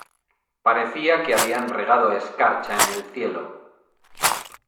Parecía que habían regado escarcha en el cielo".